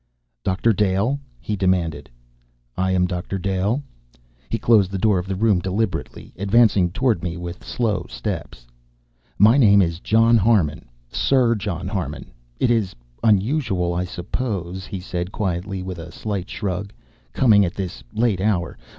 "Doctor Dale?" he demanded. "I am Doctor Dale." He closed the door of the room deliberately, advancing toward me with slow steps. "My name is John Harmon Sir John Harmon. It is unusual, I suppose," he said quietly, with a slight shrug, "coming at this late hour.